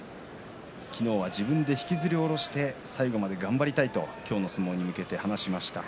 昨日は自分で引きずり下ろして最後まで頑張りたいと今日の相撲について語りました。